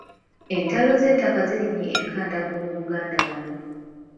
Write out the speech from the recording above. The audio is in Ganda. Entalo z’ettaka zirinnye enkandago mu Buganda wano.